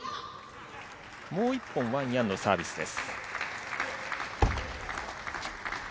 もう１本、ワン・ヤンのサービスです。